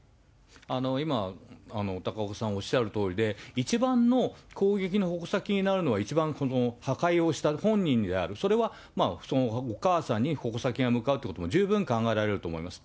今高岡さんおっしゃるとおりで、一番の攻撃の矛先になるのは、一番破壊をした本人である、それはお母さんに矛先が向かうということも十分考えられると思います。